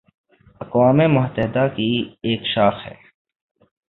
اقوام متحدہ کی ایک شاخ ہے